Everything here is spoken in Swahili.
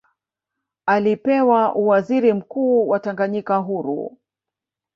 Alipewa uwaziri mkuu wa Tanganyika huru